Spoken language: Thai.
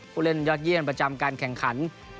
ผู้เล่นยอดเยี่ยมประจำการแข่งขัน